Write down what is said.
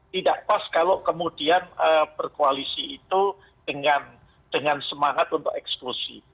tidak pas kalau kemudian berkoalisi itu dengan semangat untuk eksklusi